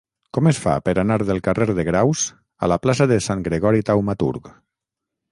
Com es fa per anar del carrer de Graus a la plaça de Sant Gregori Taumaturg?